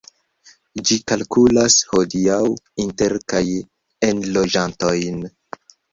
Ĝi kalkulas hodiaŭ inter kaj enloĝantojn.